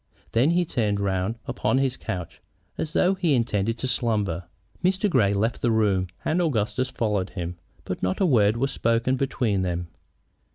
Then he turned round upon his couch, as though he intended to slumber. Mr. Grey left the room, and Augustus followed him, but not a word was spoken between them.